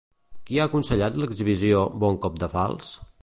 Qui ha aconsellat l'exhibició "Bon cop de falç"?